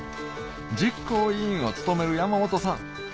実行委員を務める山本さん